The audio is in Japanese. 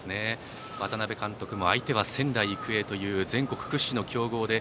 渡辺監督も仙台育英という全国屈指の強豪と